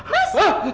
mas ada apa